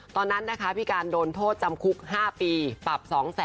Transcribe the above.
ตอนนั้นนะคะพี่การโดนโทษจำคุก๕ปีปรับ๒๐๐๐